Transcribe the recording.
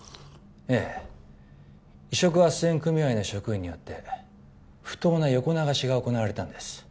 ええ移植斡旋組合の職員によって不当な横流しが行われたんです